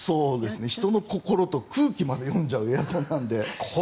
人の心と空気まで読んじゃうエアコン。